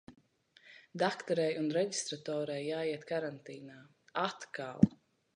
Dakterei un reģistratorei jāiet karantīnā. Atkal!